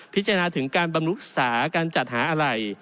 พิจารณาถึงการบำรุษาการจัดหาอะไร